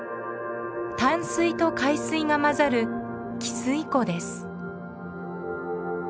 淡水と海水が混ざる汽水湖です。